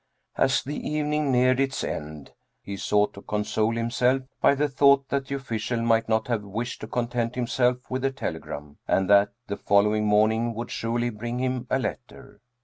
As the evening neared its end he sought to console him self by the thought that the official might not have wished to content himself with the telegram, and that the following morning would surely bring him a letter.